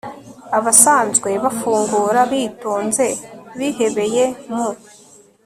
Abasanzwe bafungura bitonze bihebeye mu